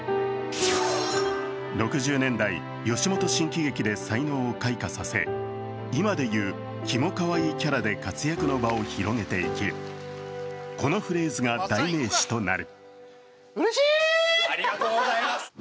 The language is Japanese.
６０年代、吉本新喜劇で才能を開花させ今でいうキモカワイイキャラで活躍の場を広げていき、このフレーズが代名詞となる。